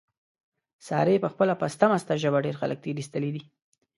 سارې په خپله پسته مسته ژبه، ډېر خلک تېر ایستلي دي.